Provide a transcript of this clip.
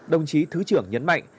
đồng chí thứ trưởng nhấn mạnh